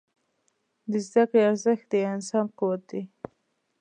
د زده کړې ارزښت د انسان قوت دی.